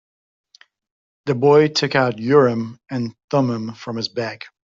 The boy took out Urim and Thummim from his bag.